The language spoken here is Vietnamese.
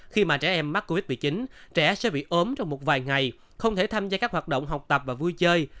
khi mà trẻ em mắc covid một mươi chín trẻ sẽ bị ốm trong một vài ngày không thể tham gia các hoạt động học tập và vui chơi